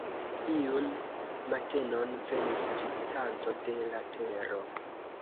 Iun matenon venis vizitanto de la Tero.